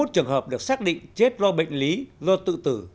hai mươi trường hợp được xác định chết do bệnh lý do tự tử